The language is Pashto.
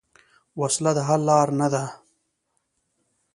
وسله د حل لار نه ده